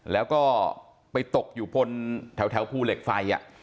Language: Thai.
แล้วก็ไปตกอยู่บนแถวภูเหล็กไฟ